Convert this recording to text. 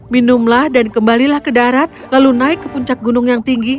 minumlah dan kembalilah ke darat lalu naik ke puncak gunung yang tinggi